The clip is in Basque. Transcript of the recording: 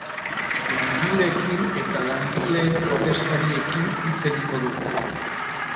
Langileekin eta langileen ordezkariekin hitz egingo dugu.